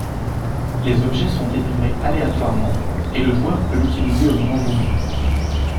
Les objets sont délivrés aléatoirement et le joueur peut l'utiliser au moment voulu.